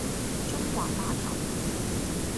中環碼頭